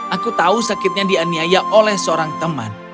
aku tahu sakitnya dianiaya oleh seorang teman